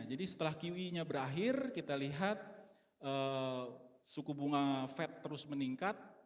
jadi setelah qe nya berakhir kita lihat suku bunga fed terus meningkat